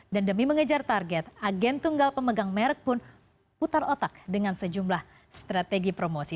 demi mengejar target agen tunggal pemegang merek pun putar otak dengan sejumlah strategi promosi